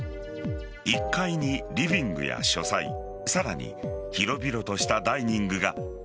１階にリビングや書斎さらに広々としたダイニングが。